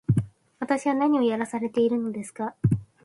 私は何をやらされているのですか